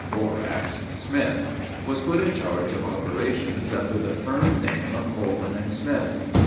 (Borax) Smith was put in charge of operations under the firm name of Coleman and Smith.